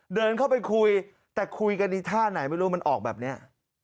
เดินเข้าไปคุยแต่คุยกันอีกท่าไหนไม่รู้มันออกแบบนี้